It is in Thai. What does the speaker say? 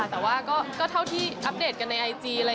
แต่ว่าก็เท่าที่อัปเดตกันในไอจีเลย